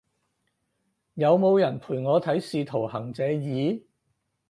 有冇人陪我睇使徒行者二？